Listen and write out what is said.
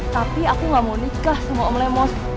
tapi aku gak mau nikah semua om lemos